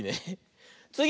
つぎ！